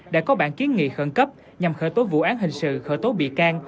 đã có bản kiến nghị khẩn cấp nhằm khởi tố vụ án hình sự khởi tố bị can